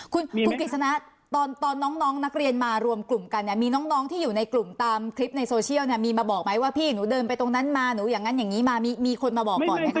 คุณกฤษณะตอนน้องนักเรียนมารวมกลุ่มกันเนี่ยมีน้องที่อยู่ในกลุ่มตามคลิปในโซเชียลเนี่ยมีมาบอกไหมว่าพี่หนูเดินไปตรงนั้นมาหนูอย่างนั้นอย่างนี้มามีคนมาบอกก่อนไหมคะ